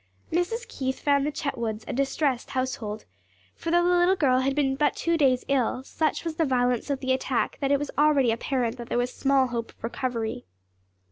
Mrs. Keith found the Chetwoods a distressed household; for though the little girl had been but two days ill, such was the violence of the attack that it was already apparent that there was small hope of recovery.